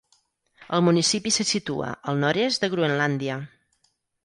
El municipi se situa al nord-est de Groenlàndia.